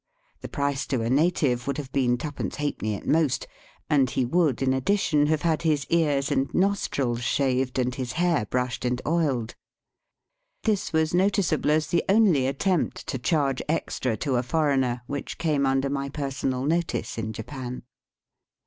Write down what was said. The price to a native would have been twopence halfpenny at most, and he would, in addition, have had his ears and nostrils shaved and his hair brushed and oiled. This was noticeable as the only attempt to charge extra to a foreigner which came under my personal notice in Japan.